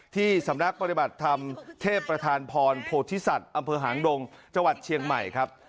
ที่สำนักปฏิบัติธรรมเทพประธานพรโพธิสัตว์อำเภอหางดงจังหวัดเชียงใหม่ครับ